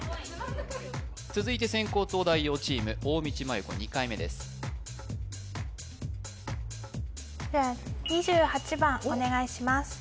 続いて先攻東大王チーム大道麻優子２回目ですじゃ２８番お願いします